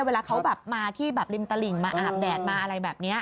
เวลาเขาแบบมาที่แบบริมตลิ่งมาอาบแดดมาอะไรแบบนี้